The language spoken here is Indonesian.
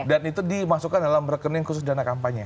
dan itu dimasukkan dalam rekening khusus dana kampanye